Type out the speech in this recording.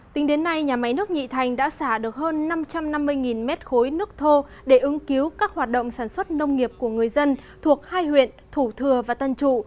tính đến nay nhà máy nước nhị thành đã xả được hơn năm trăm năm mươi mét khối nước thô để ứng cứu các hoạt động sản xuất nông nghiệp của người dân thuộc hai huyện thủ thừa và tân trụ